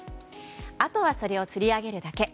あとはそれを釣り上げるだけ。